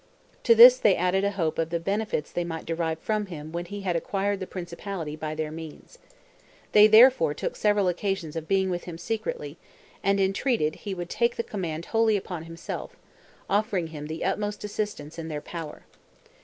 To this they added a hope of the benefits they might derive from him when he had acquired the principality by their means. They, therefore, took several occasions of being with him secretly, and entreated he would take the command wholly upon himself, offering him the utmost assistance in their power.